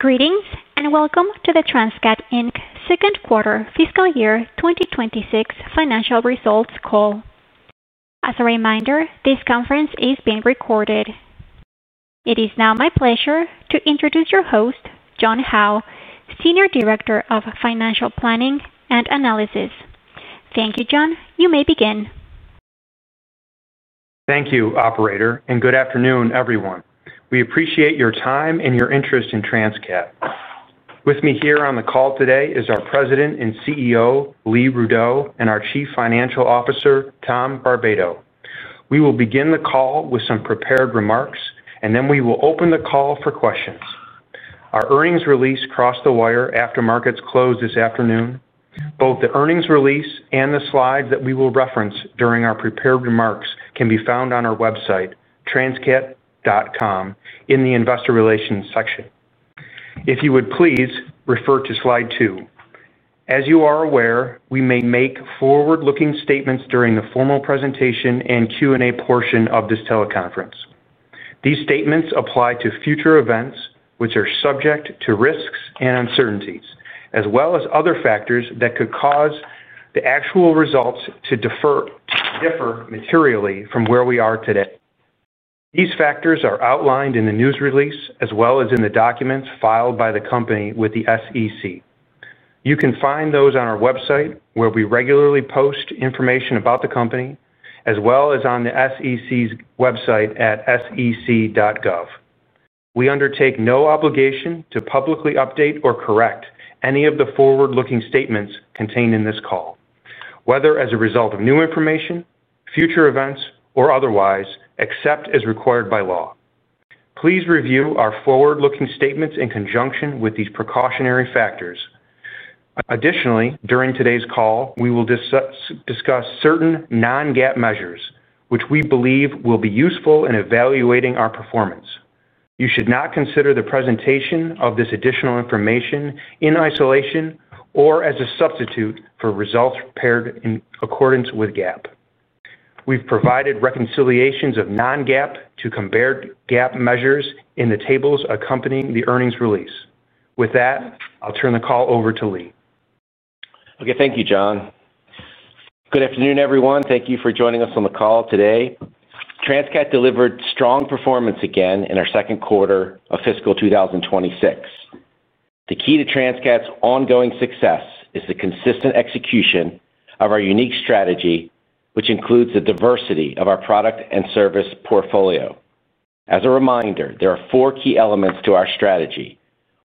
Greetings and welcome to the Transcat Second Quarter Fiscal Year 2026 Financial Results Call. As a reminder, this conference is being recorded. It is now my pleasure to introduce your host, John Howe, Senior Director of Financial Planning and Analysis. Thank you, John. You may begin. Thank you, Operator, and good afternoon, everyone. We appreciate your time and your interest in Transcat. With me here on the call today is our President and CEO, Lee Rudow, and our Chief Financial Officer, Tom Barbato. We will begin the call with some prepared remarks, and then we will open the call for questions. Our earnings release crossed the wire after markets closed this afternoon. Both the earnings release and the slides that we will reference during our prepared remarks can be found on our website, transcat.com, in the Investor Relations section. If you would please refer to slide two. As you are aware, we may make forward-looking statements during the formal presentation and Q&A portion of this teleconference. These statements apply to future events which are subject to risks and uncertainties, as well as other factors that could cause the actual results to differ materially from where we are today. These factors are outlined in the news release as well as in the documents filed by the company with the SEC. You can find those on our website, where we regularly post information about the company, as well as on the SEC's website at sec.gov. We undertake no obligation to publicly update or correct any of the forward-looking statements contained in this call, whether as a result of new information, future events, or otherwise, except as required by law. Please review our forward-looking statements in conjunction with these precautionary factors. Additionally, during today's call, we will discuss certain non-GAAP measures which we believe will be useful in evaluating our performance. You should not consider the presentation of this additional information in isolation or as a substitute for results prepared in accordance with GAAP. We've provided reconciliations of non-GAAP to comparable GAAP measures in the tables accompanying the earnings release. With that, I'll turn the call over to Lee. Okay. Thank you, John. Good afternoon, everyone. Thank you for joining us on the call today. Transcat delivered strong performance again in our second quarter of fiscal 2026. The key to Transcat's ongoing success is the consistent execution of our unique strategy, which includes the diversity of our product and service portfolio. As a reminder, there are four key elements to our strategy: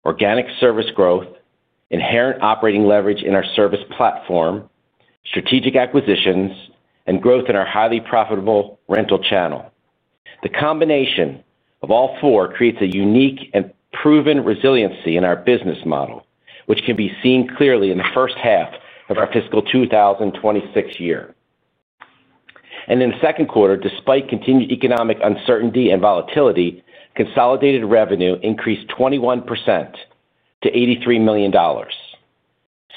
organic service growth, inherent operating leverage in our service platform, strategic acquisitions, and growth in our highly profitable rental channel. The combination of all four creates a unique and proven resiliency in our business model, which can be seen clearly in the first half of our fiscal 2026 year. In the second quarter, despite continued economic uncertainty and volatility, consolidated revenue increased 21% to $83 million.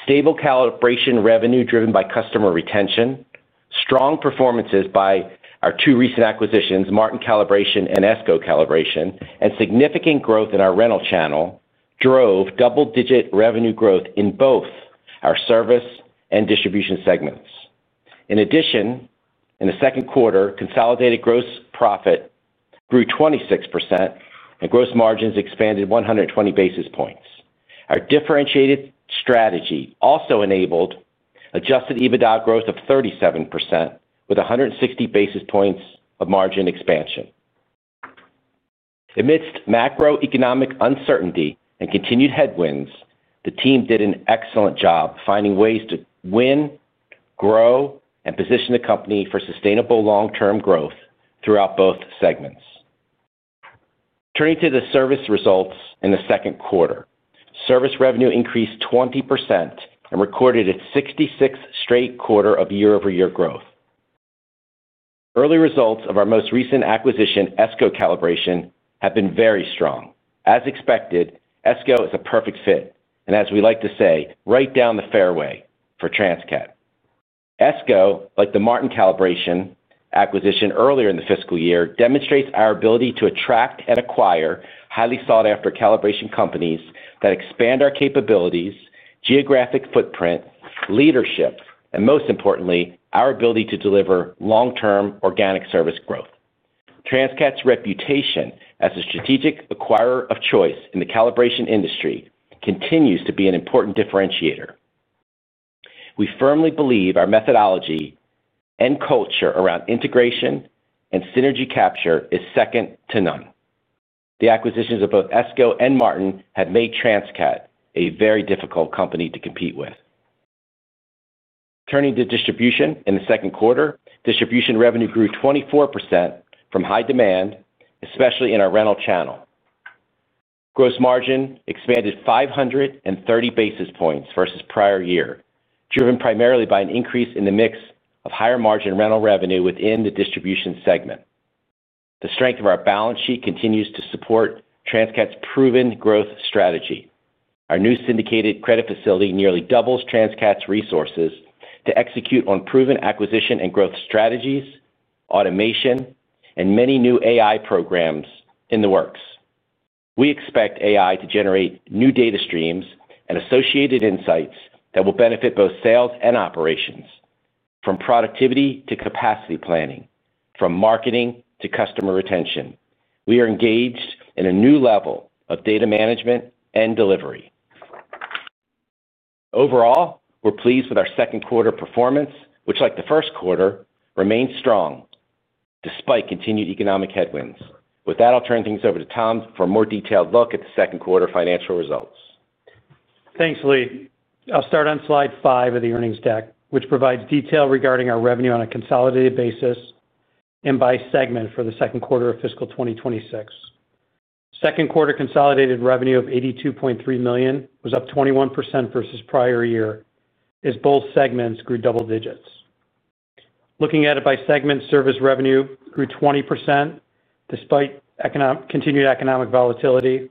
Stable calibration revenue driven by customer retention, strong performances by our two recent acquisitions, Martin Calibration and Esko Calibration, and significant growth in our rental channel drove double-digit revenue growth in both our service and distribution segments. In addition, in the second quarter, consolidated gross profit grew 26%, and gross margins expanded 120 basis points. Our differentiated strategy also enabled adjusted EBITDA growth of 37% with 160 basis points of margin expansion. Amidst macroeconomic uncertainty and continued headwinds, the team did an excellent job finding ways to win, grow, and position the company for sustainable long-term growth throughout both segments. Turning to the service results in the second quarter, service revenue increased 20% and recorded a 66th straight quarter of year-over-year growth. Early results of our most recent acquisition, Esko Calibration, have been very strong. As expected, Esko is a perfect fit, and as we like to say, right down the fairway for Transcat. Esko, like the Martin Calibration acquisition earlier in the fiscal year, demonstrates our ability to attract and acquire highly sought-after calibration companies that expand our capabilities, geographic footprint, leadership, and most importantly, our ability to deliver long-term organic service growth. Transcat's reputation as a strategic acquirer of choice in the calibration industry continues to be an important differentiator. We firmly believe our methodology and culture around integration and synergy capture is second to none. The acquisitions of both Esko and Martin have made Transcat a very difficult company to compete with. Turning to distribution in the second quarter, distribution revenue grew 24% from high demand, especially in our rental channel. Gross margin expanded 530 basis points versus prior year, driven primarily by an increase in the mix of higher-margin rental revenue within the distribution segment. The strength of our balance sheet continues to support Transcat's proven growth strategy. Our new syndicated credit facility nearly doubles Transcat's resources to execute on proven acquisition and growth strategies, automation, and many new AI programs in the works. We expect AI to generate new data streams and associated insights that will benefit both sales and operations, from productivity to capacity planning, from marketing to customer retention. We are engaged in a new level of data management and delivery. Overall, we're pleased with our second quarter performance, which, like the first quarter, remains strong despite continued economic headwinds. With that, I'll turn things over to Tom for a more detailed look at the second quarter financial results. Thanks, Lee. I'll start on slide five of the earnings deck, which provides detail regarding our revenue on a consolidated basis and by segment for the second quarter of fiscal 2026. Second quarter consolidated revenue of $82.3 million was up 21% versus prior year as both segments grew double digits. Looking at it by segment, service revenue grew 20%, despite continued economic volatility.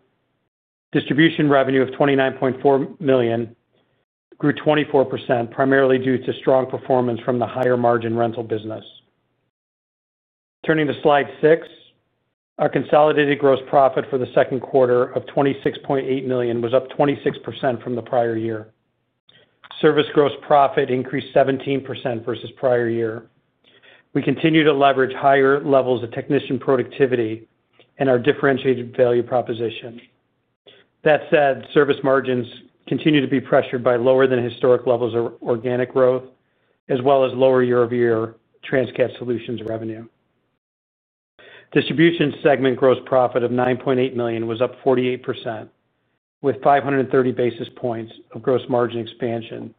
Distribution revenue of $29.4 million grew 24%, primarily due to strong performance from the higher-margin rental business. Turning to slide six, our consolidated gross profit for the second quarter of $26.8 million was up 26% from the prior year. Service gross profit increased 17% versus prior year. We continue to leverage higher levels of technician productivity and our differentiated value proposition. That said, service margins continue to be pressured by lower-than-historic levels of organic growth, as well as lower year-over-year Transcat solutions revenue. Distribution segment gross profit of $9.8 million was up 48%, with 530 basis points of gross margin expansion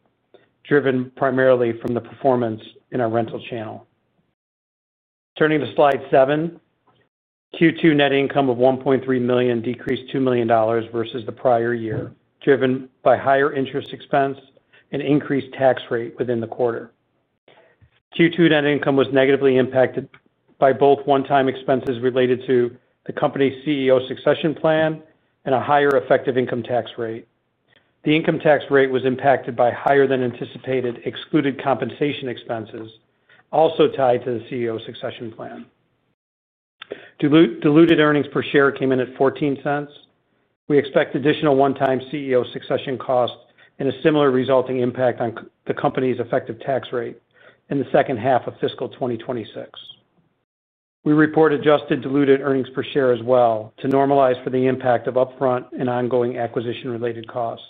driven primarily from the performance in our rental channel. Turning to slide seven, Q2 net income of $1.3 million decreased $2 million versus the prior year, driven by higher interest expense and increased tax rate within the quarter. Q2 net income was negatively impacted by both one-time expenses related to the company's CEO succession plan and a higher effective income tax rate. The income tax rate was impacted by higher-than-anticipated excluded compensation expenses also tied to the CEO succession plan. Diluted earnings per share came in at 14 cents. We expect additional one-time CEO succession costs and a similar resulting impact on the company's effective tax rate in the second half of fiscal 2026. We report adjusted diluted earnings per share as well to normalize for the impact of upfront and ongoing acquisition-related costs.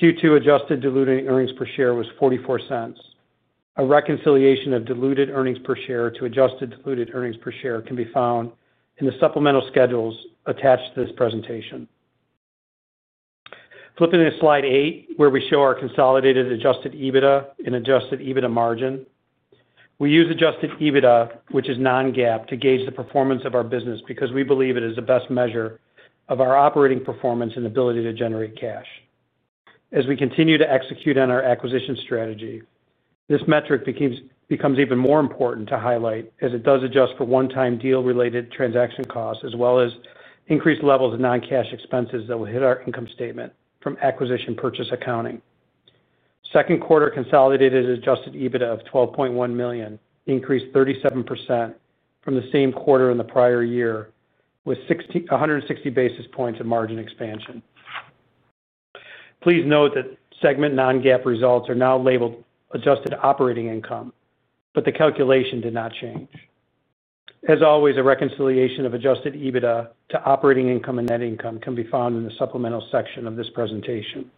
Q2 adjusted diluted earnings per share was 44 cents. A reconciliation of diluted earnings per share to adjusted diluted earnings per share can be found in the supplemental schedules attached to this presentation. Flipping to slide eight, where we show our consolidated adjusted EBITDA and adjusted EBITDA margin, we use adjusted EBITDA, which is non-GAAP, to gauge the performance of our business because we believe it is the best measure of our operating performance and ability to generate cash. As we continue to execute on our acquisition strategy, this metric becomes even more important to highlight as it does adjust for one-time deal-related transaction costs, as well as increased levels of non-cash expenses that will hit our income statement from acquisition purchase accounting. Second quarter consolidated adjusted EBITDA of $12.1 million increased 37% from the same quarter in the prior year with 160 basis points of margin expansion. Please note that segment non-GAAP results are now labeled adjusted operating income, but the calculation did not change. As always, a reconciliation of adjusted EBITDA to operating income and net income can be found in the supplemental section of this presentation.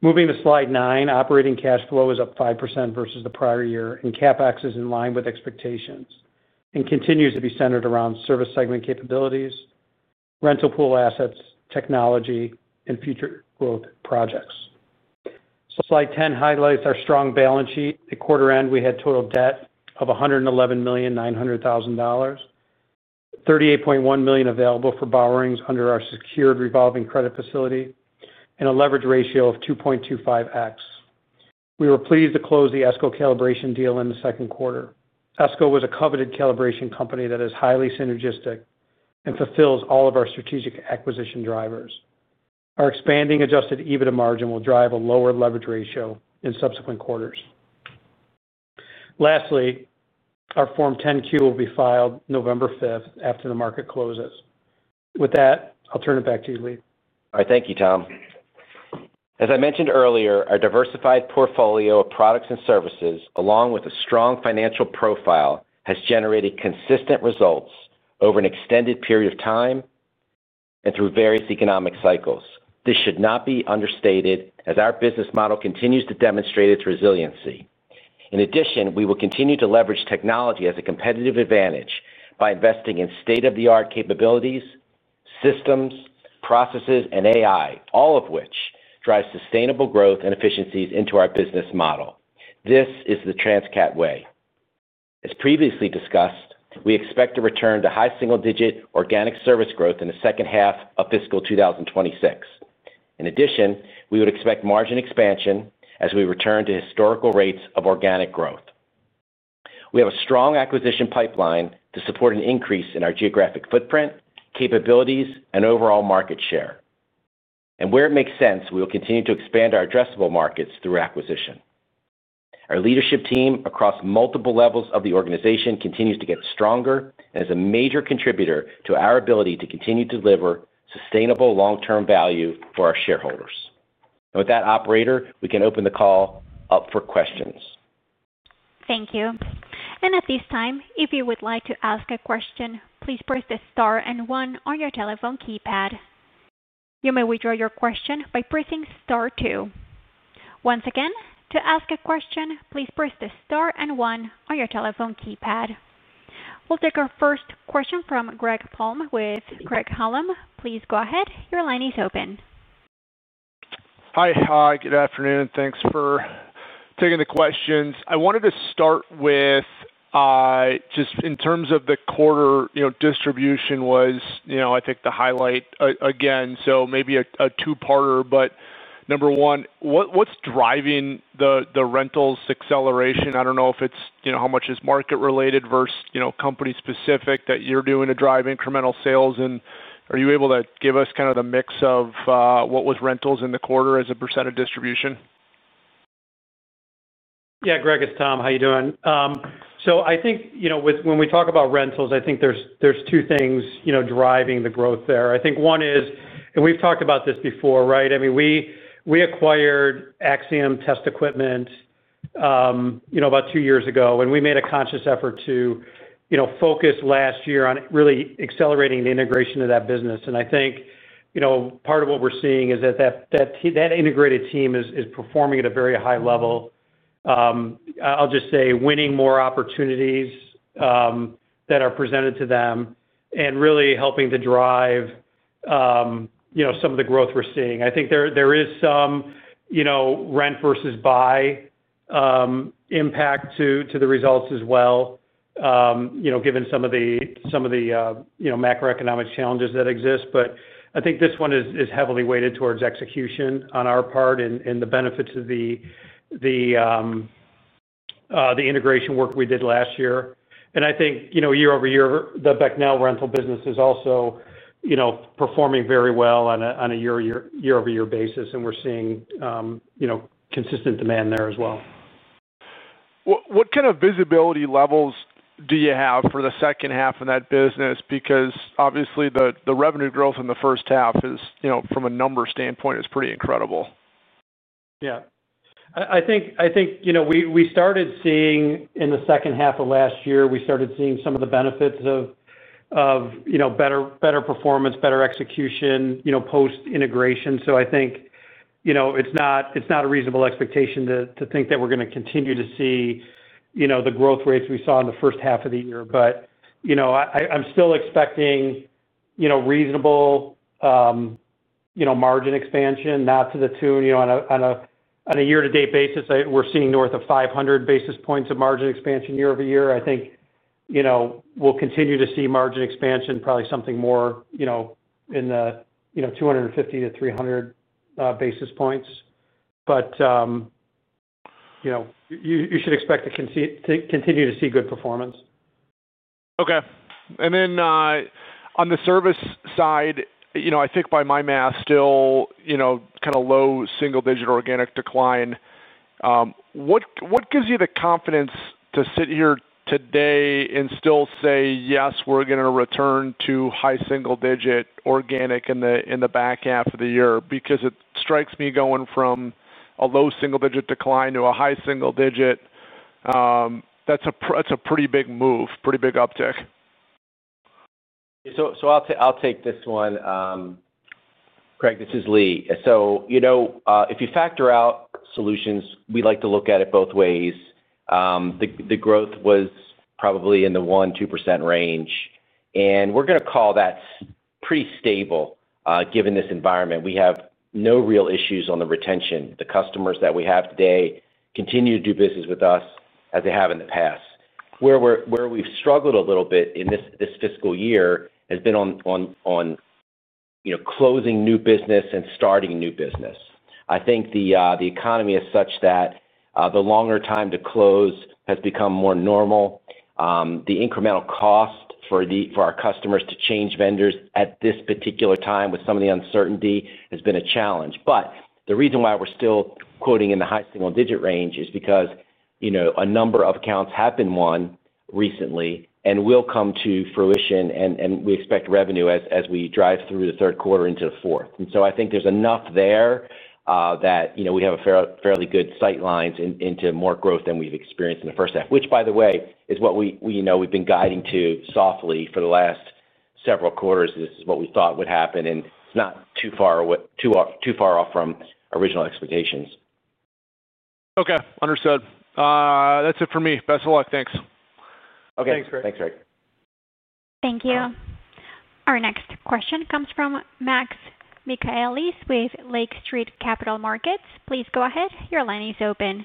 Moving to slide nine, operating cash flow is up 5% versus the prior year, and CapEx is in line with expectations and continues to be centered around service segment capabilities, rental pool assets, technology, and future growth projects. Slide 10 highlights our strong balance sheet. At quarter end, we had total debt of $111,900,000. $38.1 million available for borrowings under our secured revolving credit facility and a leverage ratio of 2.25x. We were pleased to close the Esko Calibration deal in the second quarter. Esko was a coveted calibration company that is highly synergistic and fulfills all of our strategic acquisition drivers. Our expanding adjusted EBITDA margin will drive a lower leverage ratio in subsequent quarters. Lastly, our Form 10Q will be filed November 5th after the market closes. With that, I'll turn it back to you, Lee. All right. Thank you, Tom. As I mentioned earlier, our diversified portfolio of products and services, along with a strong financial profile, has generated consistent results over an extended period of time and through various economic cycles. This should not be understated as our business model continues to demonstrate its resiliency. In addition, we will continue to leverage technology as a competitive advantage by investing in state-of-the-art capabilities, systems, processes, and AI, all of which drive sustainable growth and efficiencies into our business model. This is the Transcat way. As previously discussed, we expect a return to high single-digit organic service growth in the second half of fiscal 2026. In addition, we would expect margin expansion as we return to historical rates of organic growth. We have a strong acquisition pipeline to support an increase in our geographic footprint, capabilities, and overall market share. Where it makes sense, we will continue to expand our addressable markets through acquisition. Our leadership team across multiple levels of the organization continues to get stronger and is a major contributor to our ability to continue to deliver sustainable long-term value for our shareholders. With that, operator, we can open the call up for questions. Thank you. At this time, if you would like to ask a question, please press the star and one on your telephone keypad. You may withdraw your question by pressing star two. Once again, to ask a question, please press the star and one on your telephone keypad. We'll take our first question from Greg Palm with Greg Palm. Please go ahead. Your line is open. Hi. Good afternoon. Thanks for taking the questions. I wanted to start with just in terms of the quarter, distribution was, I think, the highlight again. Maybe a two-parter. Number one, what's driving the rentals acceleration? I do not know if it's how much is market-related versus company-specific that you're doing to drive incremental sales. Are you able to give us kind of the mix of what was rentals in the quarter as a percent of distribution? Yeah. Greg, it's Tom. How are you doing? I think when we talk about rentals, I think there are two things driving the growth there. I think one is, and we've talked about this before, right? I mean, we acquired Axiom Test Equipment about two years ago, and we made a conscious effort to focus last year on really accelerating the integration of that business. I think part of what we're seeing is that integrated team is performing at a very high level. I'll just say winning more opportunities that are presented to them and really helping to drive some of the growth we're seeing. I think there is some rent versus buy impact to the results as well, given some of the macroeconomic challenges that exist. I think this one is heavily weighted towards execution on our part and the benefits of the integration work we did last year. I think year-over-year, the Becknell rental business is also performing very well on a year-over-year basis, and we're seeing consistent demand there as well. What kind of visibility levels do you have for the second half of that business? Because obviously, the revenue growth in the first half, from a number standpoint, is pretty incredible. Yeah. I think we started seeing in the second half of last year, we started seeing some of the benefits of better performance, better execution post-integration. I think it's not a reasonable expectation to think that we're going to continue to see the growth rates we saw in the first half of the year. I'm still expecting reasonable margin expansion, not to the tune on a year-to-date basis. We're seeing north of 500 basis points of margin expansion year-over-year. I think we'll continue to see margin expansion, probably something more in the 250-300 basis points. You should expect to continue to see good performance. Okay. And then on the service side, I think by my math, still kind of low single-digit organic decline. What gives you the confidence to sit here today and still say, "Yes, we're going to return to high single-digit organic in the back half of the year"? Because it strikes me going from a low single-digit decline to a high single-digit, that's a pretty big move, pretty big uptick. I'll take this one. Greg, this is Lee. If you factor out solutions, we like to look at it both ways. The growth was probably in the 1-2% range. We're going to call that pretty stable given this environment. We have no real issues on the retention. The customers that we have today continue to do business with us as they have in the past. Where we've struggled a little bit in this fiscal year has been on closing new business and starting new business. I think the economy is such that the longer time to close has become more normal. The incremental cost for our customers to change vendors at this particular time with some of the uncertainty has been a challenge. The reason why we're still quoting in the high single-digit range is because a number of accounts have been won recently and will come to fruition, and we expect revenue as we drive through the third quarter into the fourth. I think there's enough there that we have fairly good sight lines into more growth than we've experienced in the first half, which, by the way, is what we've been guiding to softly for the last several quarters. This is what we thought would happen, and it's not too far off from our original expectations. Okay. Understood. That's it for me. Best of luck. Thanks. Okay. Thanks, Greg. Thank you. Our next question comes from Max Michalis with Lake Street Capital Markets. Please go ahead. Your line is open.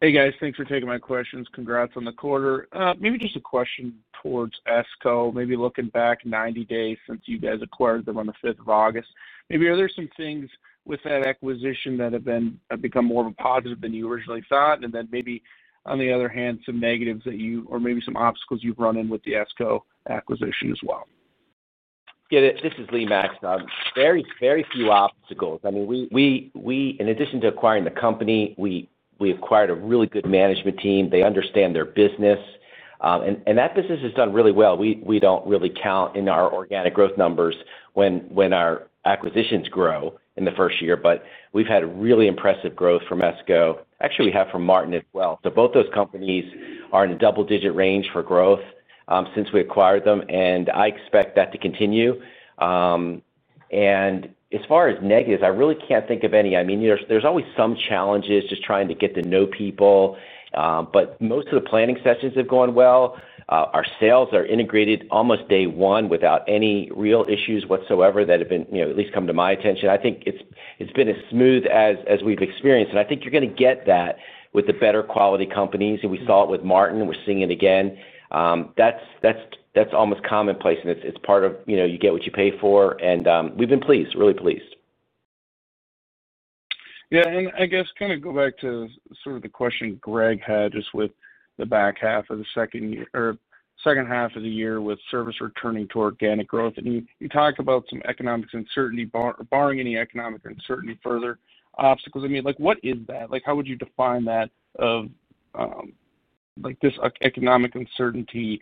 Hey, guys. Thanks for taking my questions. Congrats on the quarter. Maybe just a question towards Esko, maybe looking back 90 days since you guys acquired them on the 5th of August. Maybe are there some things with that acquisition that have become more of a positive than you originally thought? And then maybe, on the other hand, some negatives that you or maybe some obstacles you've run in with the Esko acquisition as well. This is Lee, Max. Very few obstacles. I mean. In addition to acquiring the company, we acquired a really good management team. They understand their business. And that business has done really well. We do not really count in our organic growth numbers when our acquisitions grow in the first year, but we have had really impressive growth from Esko. Actually, we have from Martin as well. So both those companies are in a double-digit range for growth since we acquired them, and I expect that to continue. As far as negatives, I really cannot think of any. I mean, there are always some challenges just trying to get to know people. Most of the planning sessions have gone well. Our sales are integrated almost day one without any real issues whatsoever that have at least come to my attention. I think it has been as smooth as we have experienced. I think you are going to get that with the better quality companies. We saw it with Martin. We are seeing it again. That is almost commonplace, and it is part of you get what you pay for. We have been pleased, really pleased. Yeah. I guess kind of go back to sort of the question Greg had just with the back half of the second half of the year with service returning to organic growth. You talked about some economic uncertainty, barring any economic uncertainty, further obstacles. I mean, what is that? How would you define that, this economic uncertainty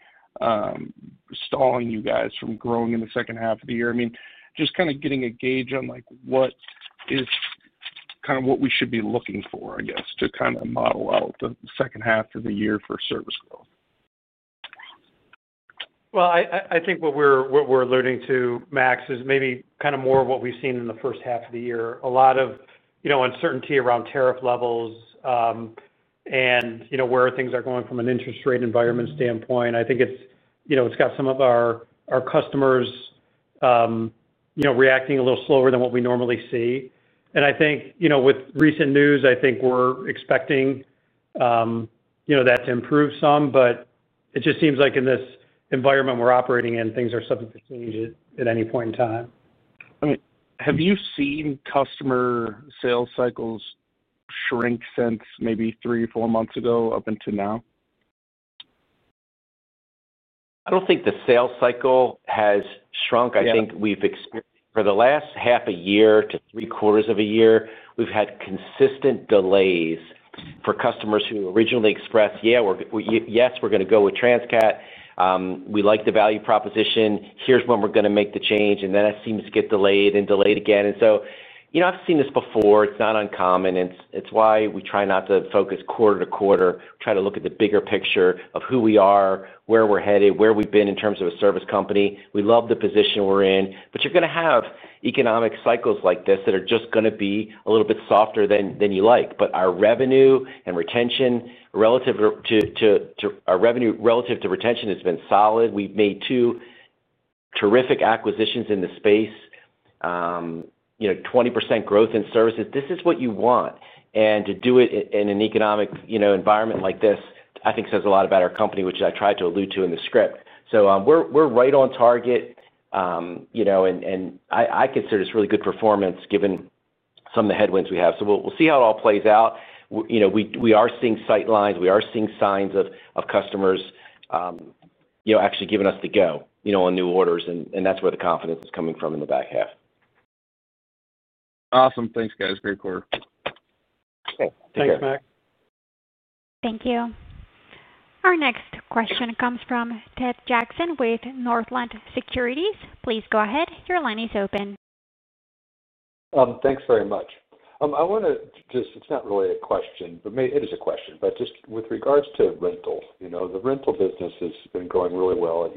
stalling you guys from growing in the second half of the year? I mean, just kind of getting a gauge on what is kind of what we should be looking for, I guess, to kind of model out the second half of the year for service growth. I think what we're alluding to, Max, is maybe kind of more of what we've seen in the first half of the year. A lot of uncertainty around tariff levels and where things are going from an interest rate environment standpoint. I think it's got some of our customers reacting a little slower than what we normally see. I think with recent news, we're expecting that to improve some. It just seems like in this environment we're operating in, things are subject to change at any point in time. I mean, have you seen customer sales cycles shrink since maybe three, four months ago up until now? I don't think the sales cycle has shrunk. I think we've experienced for the last half a year to three-quarters of a year, we've had consistent delays for customers who originally expressed, "Yes, we're going to go with Transcat. We like the value proposition. Here's when we're going to make the change." That seems to get delayed and delayed again. I've seen this before. It's not uncommon. It's why we try not to focus quarter to quarter. Try to look at the bigger picture of who we are, where we're headed, where we've been in terms of a service company. We love the position we're in. You're going to have economic cycles like this that are just going to be a little bit softer than you like. Our revenue and retention relative to our revenue relative to retention has been solid. We've made two terrific acquisitions in the space. 20% growth in services. This is what you want. To do it in an economic environment like this, I think, says a lot about our company, which I tried to allude to in the script. We're right on target. I consider it's really good performance given some of the headwinds we have. We'll see how it all plays out. We are seeing sight lines. We are seeing signs of customers actually giving us the go on new orders. That's where the confidence is coming from in the back half. Awesome. Thanks, guys. Great quarter. Okay. Take care. Thanks, Max. Thank you. Our next question comes from Ted Jackson with Northland Securities. Please go ahead. Your line is open. Thanks very much. I want to just—it's not really a question, but it is a question. Just with regards to rental, the rental business has been going really well.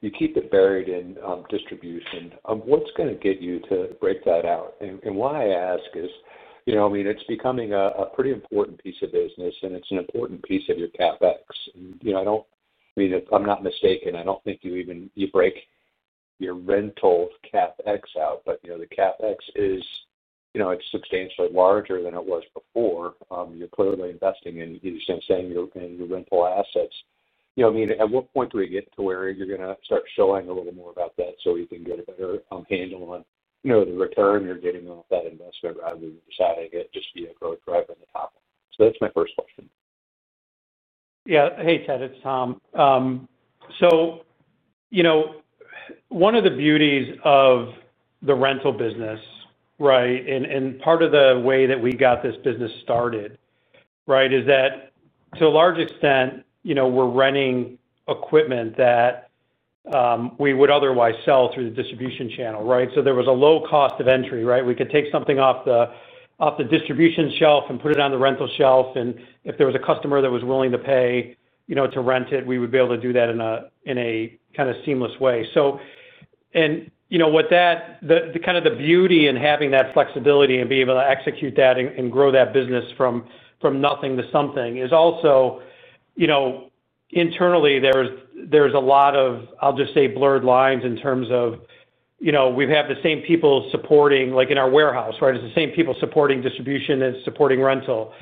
You keep it buried in distribution. What's going to get you to break that out? Why I ask is, I mean, it's becoming a pretty important piece of business, and it's an important piece of your CapEx. I mean, if I'm not mistaken, I don't think you break your rental CapEx out. The CapEx is substantially larger than it was before. You're clearly investing in your rental assets. I mean, at what point do we get to where you're going to start showing a little more about that so we can get a better handle on the return you're getting off that investment rather than deciding it just via growth drive on the top? That's my first question. Yeah. Hey, Ted. It's Tom. One of the beauties of the rental business, right, and part of the way that we got this business started, right, is that to a large extent, we're renting equipment that we would otherwise sell through the distribution channel, right? There was a low cost of entry, right? We could take something off the distribution shelf and put it on the rental shelf. If there was a customer that was willing to pay to rent it, we would be able to do that in a kind of seamless way. The kind of beauty in having that flexibility and being able to execute that and grow that business from nothing to something is also, internally, there's a lot of, I'll just say, blurred lines in terms of we have the same people supporting in our warehouse, right? It's the same people supporting distribution and supporting rental.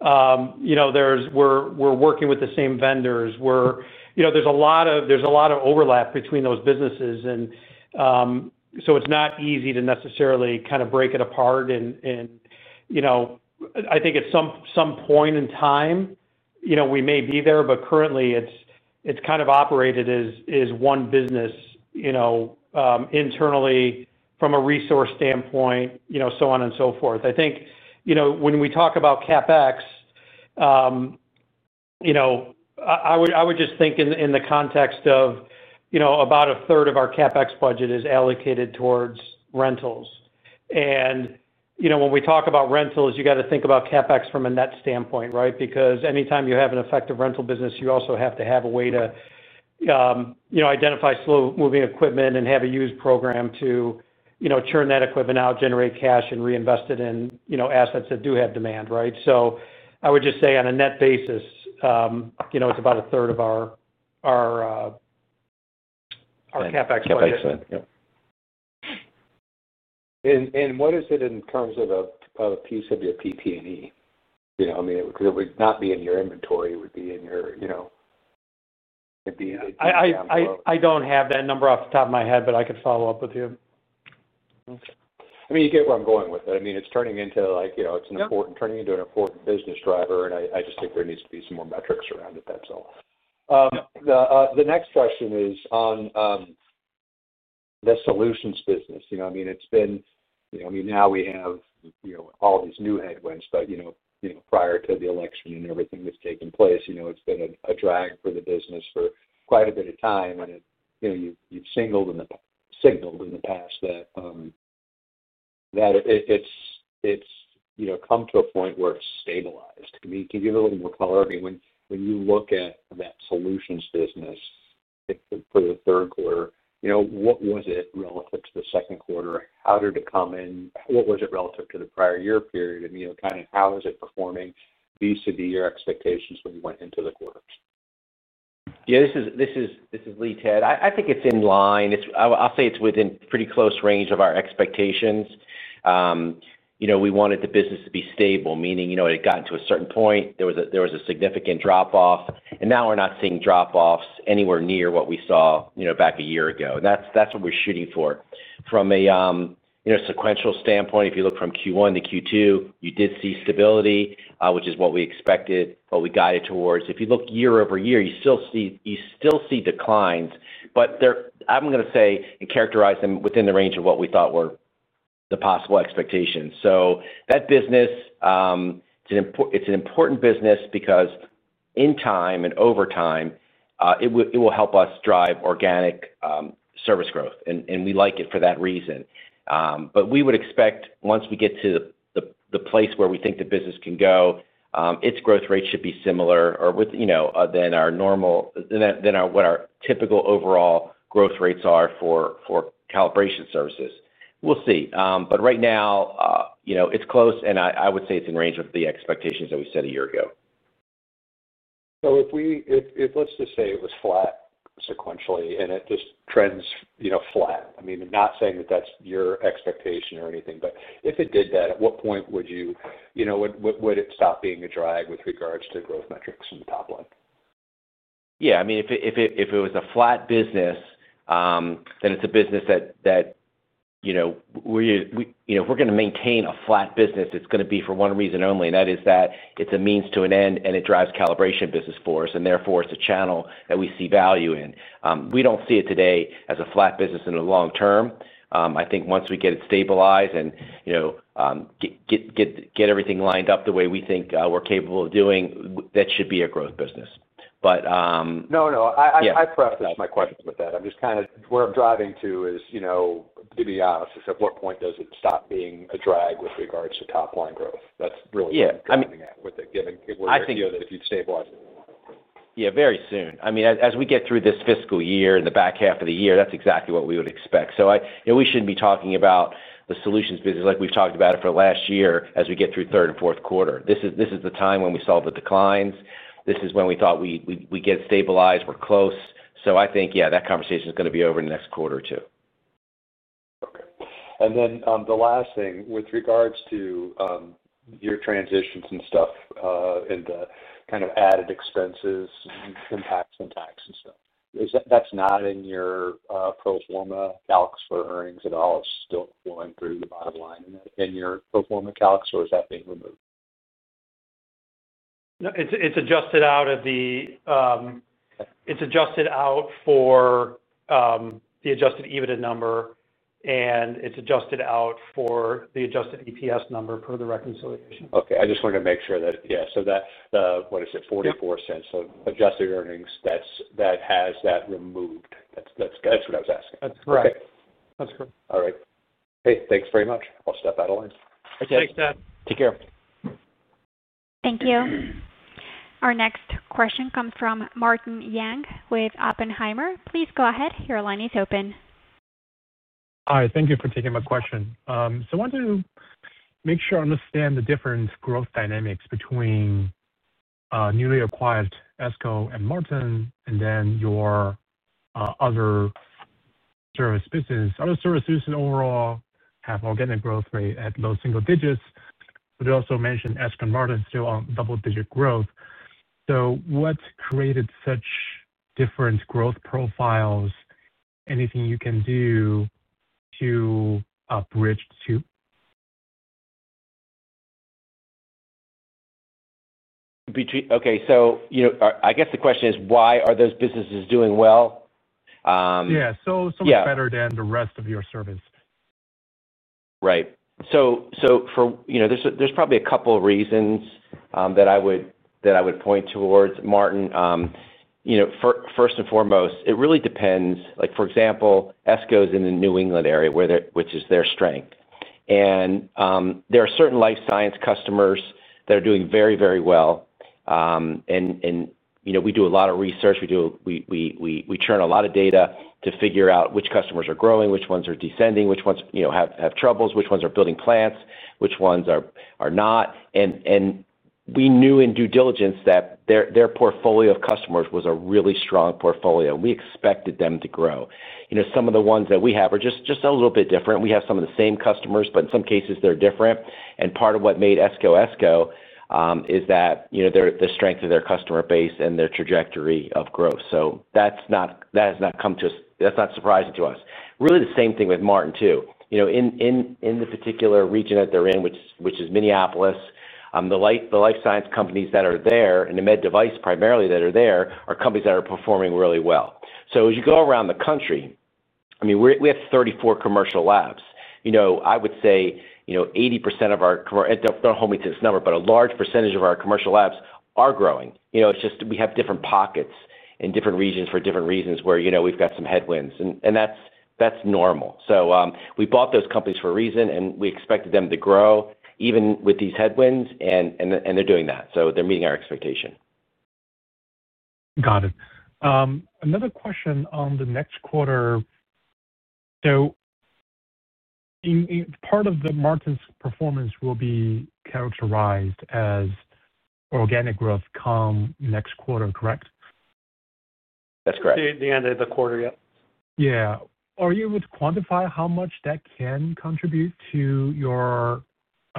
We're working with the same vendors. There's a lot of overlap between those businesses. It's not easy to necessarily kind of break it apart. I think at some point in time, we may be there. Currently, it's kind of operated as one business internally from a resource standpoint, so on and so forth. I think when we talk about CapEx, I would just think in the context of about a third of our CapEx budget is allocated towards rentals. When we talk about rentals, you got to think about CapEx from a net standpoint, right? Because anytime you have an effective rental business, you also have to have a way to identify slow-moving equipment and have a used program to churn that equipment out, generate cash, and reinvest it in assets that do have demand, right? I would just say on a net basis, it's about a third of our CapEx budget. What is it in terms of a piece of your PP&E? I mean, it would not be in your inventory. It would be in your. I don't have that number off the top of my head, but I could follow up with you. Okay. I mean, you get where I'm going with it. I mean, it's turning into an important business driver. I just think there needs to be some more metrics around it. That's all. The next question is on the solutions business. I mean, it's been—I mean, now we have all these new headwinds. Prior to the election and everything that's taken place, it's been a drag for the business for quite a bit of time. You've signaled in the past that it's come to a point where it's stabilized. I mean, can you give a little more color? I mean, when you look at that solutions business for the third quarter, what was it relative to the second quarter? How did it come in? What was it relative to the prior year period? I mean, kind of how is it performing vis-à-vis your expectations when you went into the quarter? Yeah. This is Lee, Ted. I think it's in line. I'll say it's within pretty close range of our expectations. We wanted the business to be stable, meaning it had gotten to a certain point. There was a significant drop-off. Now we're not seeing drop-offs anywhere near what we saw back a year ago. That's what we're shooting for. From a sequential standpoint, if you look from Q1 to Q2, you did see stability, which is what we expected, what we guided towards. If you look year over-year, you still see declines. I'm going to say and characterize them within the range of what we thought were the possible expectations. That business, it's an important business because, in time and over time, it will help us drive organic service growth. We like it for that reason. We would expect, once we get to the place where we think the business can go, its growth rate should be similar or than our normal, than what our typical overall growth rates are for calibration services. We'll see. Right now, it's close. I would say it's in range of the expectations that we set a year ago. If let's just say it was flat sequentially and it just trends flat—I mean, I'm not saying that that's your expectation or anything—but if it did that, at what point would you, would it stop being a drag with regards to growth metrics and the top line? Yeah. I mean, if it was a flat business. Then it's a business that. We're going to maintain a flat business. It's going to be for one reason only, and that is that it's a means to an end, and it drives calibration business for us. Therefore, it's a channel that we see value in. We don't see it today as a flat business in the long term. I think once we get it stabilized and get everything lined up the way we think we're capable of doing, that should be a growth business. No, no. I preface my questions with that. I'm just kind of—where I'm driving to is, to be honest, is at what point does it stop being a drag with regards to top-line growth? That's really what I'm coming at with it, given where you're at if you'd stabilize it. Yeah. Very soon. I mean, as we get through this fiscal year and the back half of the year, that's exactly what we would expect. We shouldn't be talking about the solutions business like we've talked about it for the last year as we get through third and fourth quarter. This is the time when we saw the declines. This is when we thought we'd get stabilized. We're close. I think, yeah, that conversation is going to be over in the next quarter or two. Okay. And then the last thing with regards to your transitions and stuff and the kind of added expenses, impacts on tax and stuff, that's not in your pro forma calculus for earnings at all. It's still flowing through the bottom line in your pro forma calculus, or is that being removed? It's adjusted out for the adjusted EBITDA number. And it's adjusted out for the adjusted EPS number per the reconciliation. Okay. I just wanted to make sure that, yeah, so that, what is it, $0.44 of adjusted earnings that has that removed. That's what I was asking. That's correct. Okay. All right. Hey, thanks very much. I'll step out of line. Thanks, Ted. Take care. Thank you. Our next question comes from Martin Yang with Oppenheimer. Please go ahead. Your line is open. Hi. Thank you for taking my question. I want to make sure I understand the different growth dynamics between newly acquired Esko and Martin and then your other service business. Other service businesses overall have organic growth rate at low single digits. You also mentioned Esko and Martin still on double-digit growth. What created such different growth profiles? Anything you can do to bridge to? Okay. I guess the question is, why are those businesses doing well? Yeah. So much better than the rest of your service. Right. There are probably a couple of reasons that I would point towards, Martin. First and foremost, it really depends. For example, Esko is in the New England area, which is their strength. There are certain life science customers that are doing very, very well. We do a lot of research. We churn a lot of data to figure out which customers are growing, which ones are descending, which ones have troubles, which ones are building plants, which ones are not. We knew in due diligence that their portfolio of customers was a really strong portfolio. We expected them to grow. Some of the ones that we have are just a little bit different. We have some of the same customers, but in some cases, they are different. Part of what made Esko Esko is the strength of their customer base and their trajectory of growth. That has not come to us. That is not surprising to us. Really, the same thing with Martin too. In the particular region that they are in, which is Minneapolis, the life science companies that are there and the med device primarily that are there are companies that are performing really well. As you go around the country, I mean, we have 34 commercial labs. I would say 80% of our—do not hold me to this number—but a large percentage of our commercial labs are growing. We just have different pockets in different regions for different reasons where we have some headwinds. That is normal. We bought those companies for a reason, and we expected them to grow even with these headwinds. They are doing that. They are meeting our expectation. Got it. Another question on the next quarter. Part of Martin's performance will be characterized as organic growth come next quarter, correct? That's correct. The end of the quarter, yeah. Yeah.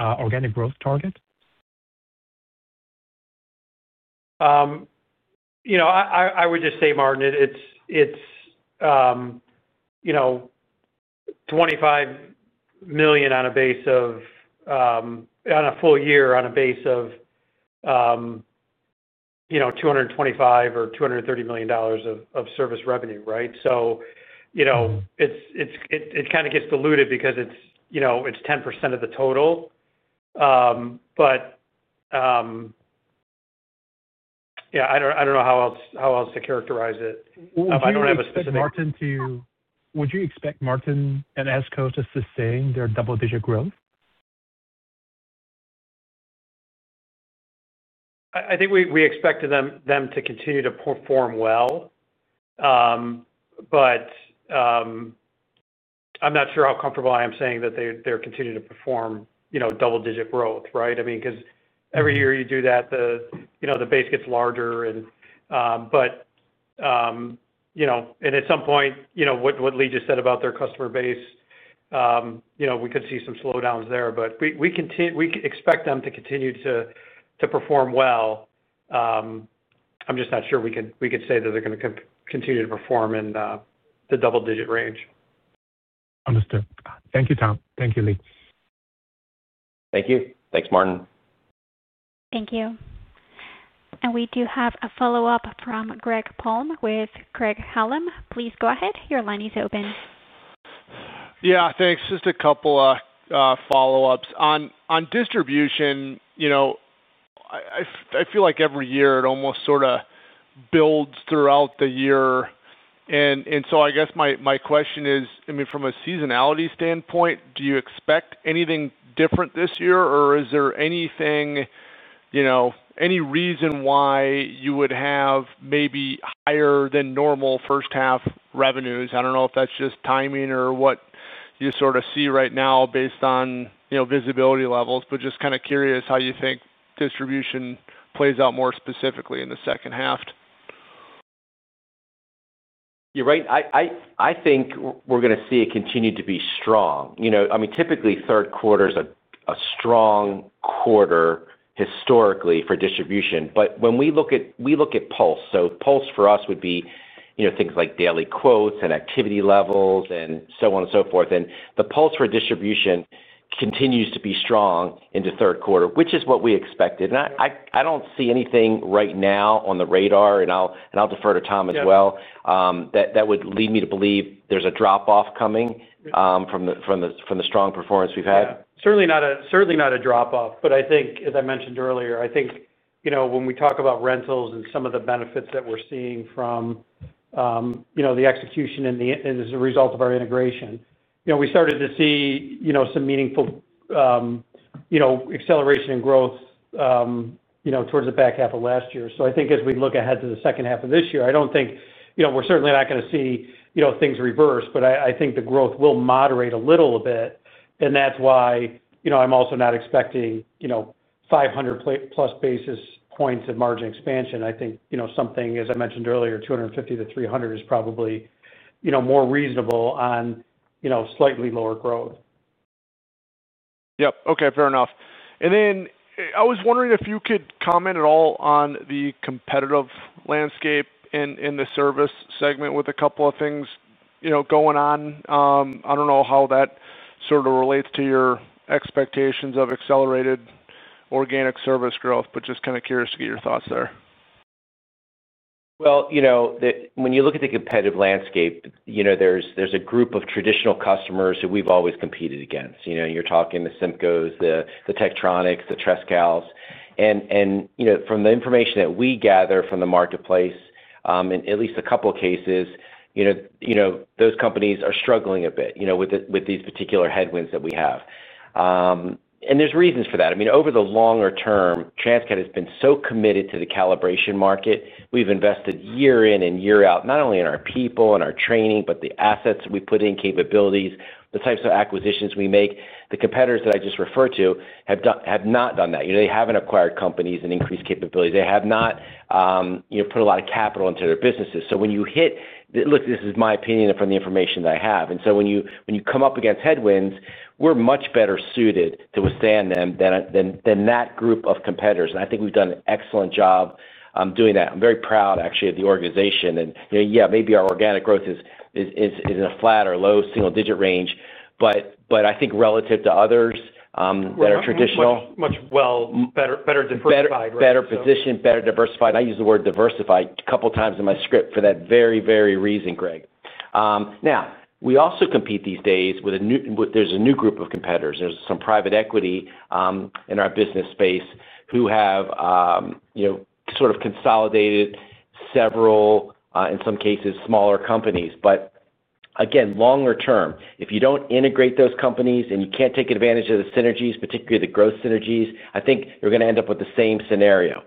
Are you able to quantify how much that can contribute to your organic growth target? I would just say, Martin, it's $25 million on a basis of, on a full year, on a base of $225 or $230 million of service revenue, right? It kind of gets diluted because it's 10% of the total. Yeah, I don't know how else to characterize it. I don't have a specific. Would you expect Martin and Esko to sustain their double-digit growth? I think we expect them to continue to perform well. I'm not sure how comfortable I am saying that they're continuing to perform double-digit growth, right? I mean, because every year you do that, the base gets larger. At some point, what Lee just said about their customer base, we could see some slowdowns there. We expect them to continue to perform well. I'm just not sure we could say that they're going to continue to perform in the double-digit range. Understood. Thank you, Tom. Thank you, Lee. Thank you. Thanks, Martin. Thank you. We do have a follow-up from Greg Palm with Greg Hallam. Please go ahead. Your line is open. Yeah. Thanks. Just a couple follow-ups on distribution. I feel like every year, it almost sort of builds throughout the year. I guess my question is, I mean, from a seasonality standpoint, do you expect anything different this year? Is there anything, any reason why you would have maybe higher-than-normal first-half revenues? I don't know if that's just timing or what you sort of see right now based on visibility levels. Just kind of curious how you think distribution plays out more specifically in the second half. You're right. I think we're going to see it continue to be strong. I mean, typically, third quarter is a strong quarter historically for distribution. When we look at pulse, so pulse for us would be things like daily quotes and activity levels and so on and so forth. The pulse for distribution continues to be strong into third quarter, which is what we expected. I don't see anything right now on the radar, and I'll defer to Tom as well, that would lead me to believe there's a drop-off coming from the strong performance we've had. Certainly not a drop-off. I think, as I mentioned earlier, when we talk about rentals and some of the benefits that we're seeing from the execution and as a result of our integration, we started to see some meaningful acceleration and growth towards the back half of last year. I think as we look ahead to the second half of this year, I don't think we're certainly not going to see things reverse. I think the growth will moderate a little bit. That's why I'm also not expecting 500-plus basis points of margin expansion. I think something, as I mentioned earlier, 250-300 is probably more reasonable on slightly lower growth. Yep. Okay. Fair enough. I was wondering if you could comment at all on the competitive landscape in the service segment with a couple of things going on. I do not know how that sort of relates to your expectations of accelerated organic service growth, but just kind of curious to get your thoughts there. When you look at the competitive landscape, there's a group of traditional customers that we've always competed against. You're talking to Simco, the Tektronix, the Trescal. From the information that we gather from the marketplace, in at least a couple of cases, those companies are struggling a bit with these particular headwinds that we have. There are reasons for that. I mean, over the longer term, Transcat has been so committed to the calibration market. We've invested year in and year out, not only in our people and our training, but the assets we put in, capabilities, the types of acquisitions we make. The competitors that I just referred to have not done that. They haven't acquired companies and increased capabilities. They have not put a lot of capital into their businesses. When you hit—look, this is my opinion and from the information that I have. When you come up against headwinds, we're much better suited to withstand them than that group of competitors. I think we've done an excellent job doing that. I'm very proud, actually, of the organization. Yeah, maybe our organic growth is in a flat or low single-digit range. I think relative to others that are traditional. Better diversified. Better positioned, better diversified. I use the word diversified a couple of times in my script for that very, very reason, Greg. Now, we also compete these days with a new—there's a new group of competitors. There's some private equity in our business space who have sort of consolidated several, in some cases, smaller companies. Again, longer term, if you don't integrate those companies and you can't take advantage of the synergies, particularly the growth synergies, I think you're going to end up with the same scenario.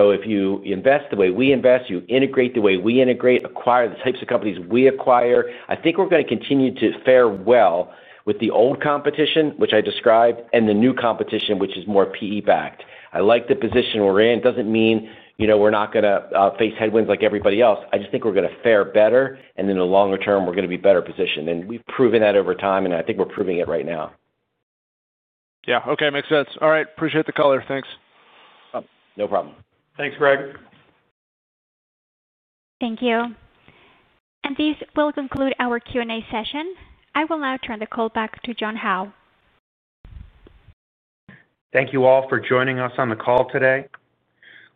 If you invest the way we invest, you integrate the way we integrate, acquire the types of companies we acquire, I think we're going to continue to fare well with the old competition, which I described, and the new competition, which is more PE-backed. I like the position we're in. It doesn't mean we're not going to face headwinds like everybody else. I just think we're going to fare better. In the longer term, we're going to be better positioned. We've proven that over time, and I think we're proving it right now. Yeah. Okay. Makes sense. All right. Appreciate the color. Thanks. No problem. Thanks, Greg. Thank you. This will conclude our Q&A session. I will now turn the call back to John Howe. Thank you all for joining us on the call today.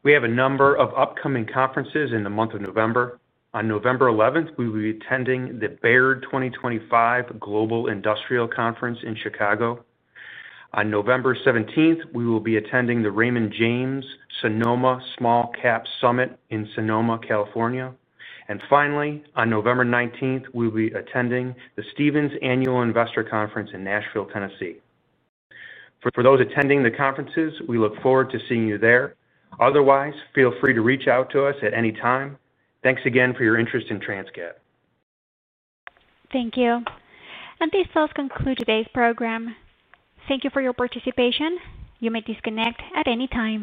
We have a number of upcoming conferences in the month of November. On November 11th, we will be attending the Baird 2025 Global Industrial Conference in Chicago, Illinois. On November 17th, we will be attending the Raymond James Sonoma Small Cap Summit in Sonoma, California. Finally, on November 19th, we will be attending the Stevens Annual Investor Conference in Nashville, Tennessee. For those attending the conferences, we look forward to seeing you there. Otherwise, feel free to reach out to us at any time. Thanks again for your interest in Transcat. Thank you. This does conclude today's program. Thank you for your participation. You may disconnect at any time.